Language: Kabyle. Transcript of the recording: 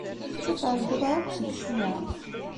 Kečč ur tɛeyyuḍ ara akk seg ccna?